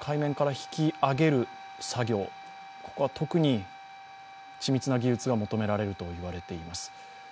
海面から引き揚げる作業、ここは特に緻密な技術が求められると言われています。